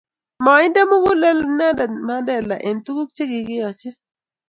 Mainde mugulel inendet Mandela eng' tuguk che kikiyochi